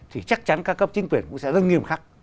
thì chắc chắn các cấp chính quyền cũng sẽ rất nghiêm khắc